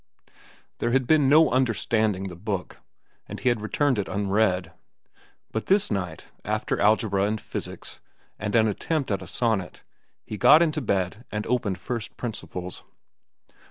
There had been no understanding the book, and he had returned it unread. But this night, after algebra and physics, and an attempt at a sonnet, he got into bed and opened "First Principles."